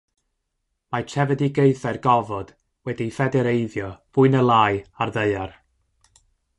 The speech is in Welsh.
Mae trefedigaethau'r gofod wedi'u ffedereiddio fwy neu lai â'r Ddaear.